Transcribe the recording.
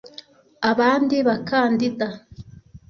Abandi bakandida